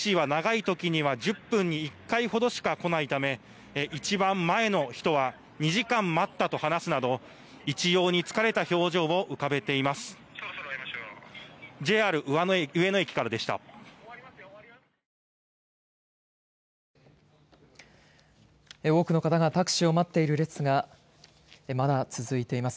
そしてタクシーは長いときには１０分に１回ほどしかこないため一番前の人は２時間待ったと話すなど一様に疲れた表情を浮かべています。